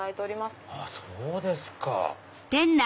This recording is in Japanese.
そうですか。